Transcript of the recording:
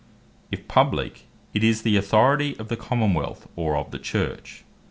If publique, it is the Authority of the Common wealth, or of the Church.